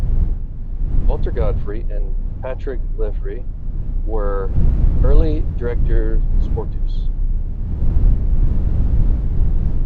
Walter Godefroot and Patrick Lefevere were early directeurs sportifs.